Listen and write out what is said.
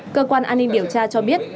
cơ quan an ninh điều tra cho biết